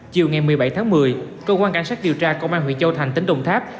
chiều ngày một mươi bảy tháng một mươi cơ quan cảnh sát điều tra công an huyện châu thành tỉnh đồng tháp